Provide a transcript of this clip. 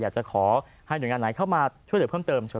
อยากจะขอให้หน่วยงานไหนเข้ามาช่วยเหลือเพิ่มเติม